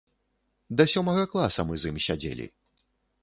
Да сёмага класа мы з ім сядзелі.